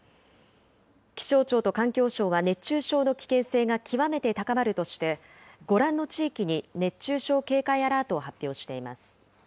気象庁と環境省は熱中症の危険性が極めて高まるとして、ご覧の地域に熱中症警戒アラートを発表しています。